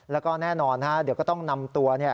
แล้วก็แน่นอนเดี๋ยวก็ต้องนำตัว